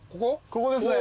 ここですね。